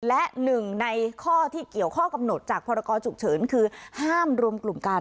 และหนึ่งในข้อที่เกี่ยวข้อกำหนดจากพรกรฉุกเฉินคือห้ามรวมกลุ่มกัน